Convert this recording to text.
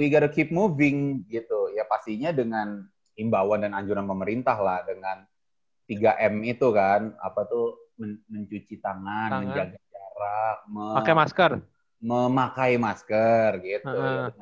ligar keep moving gitu ya pastinya dengan imbauan dan anjuran pemerintah lah dengan tiga m itu kan apa tuh mencuci tangan menjaga jarak memakai masker memakai masker gitu